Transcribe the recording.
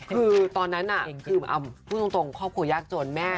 คือตอนนั้นคือพูดตรงครอบครัวยากจนแม่